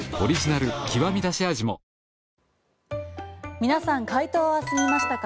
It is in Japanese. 皆さん、解答は済みましたか？